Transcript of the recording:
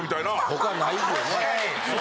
他ないよね。